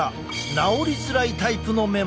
治りづらいタイプのめまい。